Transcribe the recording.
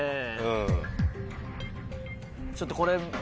ちょっとこれ。